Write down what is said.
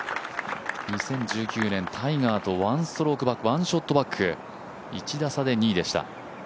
２０１９年、タイガーとワンショットバック、１打差で２位でした。